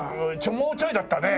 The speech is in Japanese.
もうちょいだったね。